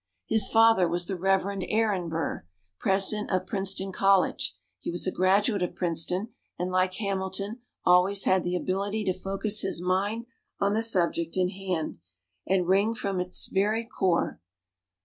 His father was the Reverend Aaron Burr, President of Princeton College. He was a graduate of Princeton, and, like Hamilton, always had the ability to focus his mind on the subject in hand, and wring from it its very core.